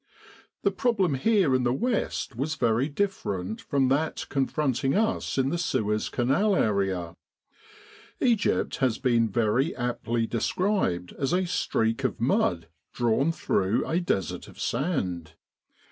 The problem here in the west was very different from that confronting us in the Suez Canal area. Egypt has been very aptly described as a streak of mud drawn through a desert of sand.